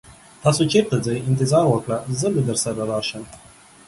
تاسو چیرته ځئ؟ انتظار وکړه، زه به درسره راشم.